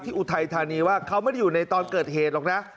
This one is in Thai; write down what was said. อุทัยธานีว่าเขาไม่ได้อยู่ในตอนเกิดเหตุหรอกนะ